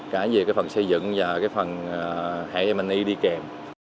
cả về phần xây dựng và phần hệ m e đi kèm